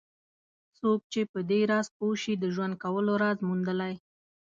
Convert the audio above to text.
څوک چې په دې راز پوه شي د ژوند کولو راز موندلی.